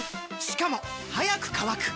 しかも速く乾く！